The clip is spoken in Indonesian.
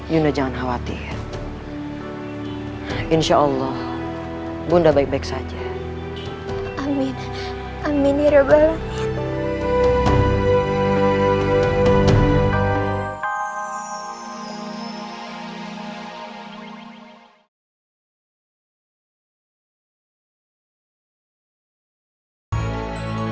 yunda jangan khawatir insyaallah bunda baik baik saja amin amin ya rabbul alamin